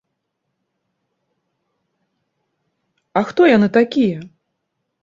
А хто яны такія?